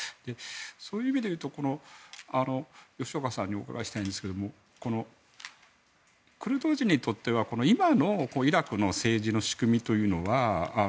そういう意味でいうと吉岡さんにお伺いしたいんですがクルド人にとって今のイラクの政治の仕組み。